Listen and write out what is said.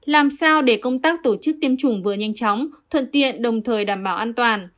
làm sao để công tác tổ chức tiêm chủng vừa nhanh chóng thuận tiện đồng thời đảm bảo an toàn